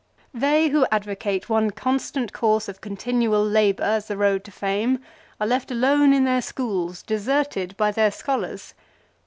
" They who advocate one constant course of continual labour as .the road to fame, are left alone in their schools, deserted by their scholars.